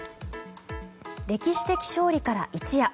歴史的勝利から一夜。